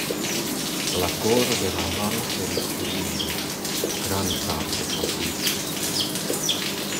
La koro de la malfeliĉulino grandfrape batiĝis.